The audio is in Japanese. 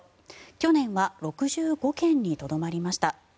去年は６５件にとどまりました。